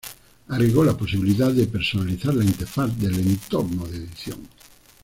Agregó la posibilidad de personalizar la interfaz del entorno de edición.